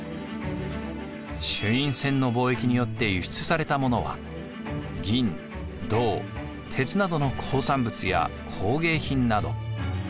朱印船の貿易によって輸出されたものは銀・銅・鉄などの鉱産物や工芸品など。